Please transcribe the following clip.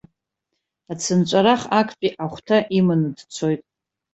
Ацынҵәарах актәи ахәҭа иманы дцоит.